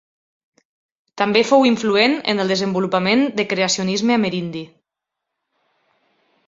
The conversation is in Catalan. També fou influent en el desenvolupament de creacionisme amerindi.